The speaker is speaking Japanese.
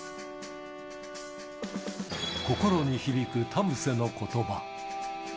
心に響く田臥のことば。